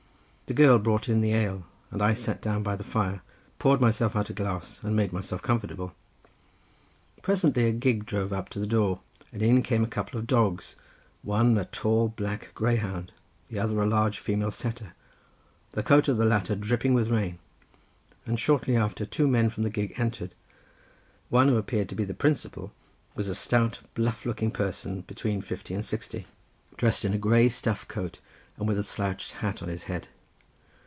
The girl brought in the ale, and I sat down by the fire, poured myself out a glass, and made myself comfortable. Presently a gig drove up to the door, and in came a couple of dogs, one a tall black greyhound, the other a large female setter, the coat of the latter dripping with rain, and shortly after two men from the gig entered, one who appeared to be the principal was a stout bluff looking person between fifty and sixty dressed in a grey stuff coat and with a slouched hat on his head.